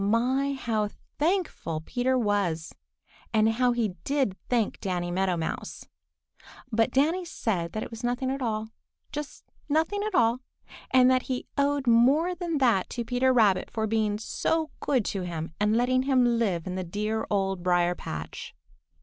My, how thankful Peter was, and how he did thank Danny Meadow Mouse! But Danny said that it was nothing at all, just nothing at all, and that he owed more than that to Peter Rabbit for being so good to him and letting him live in the dear Old Briar patch.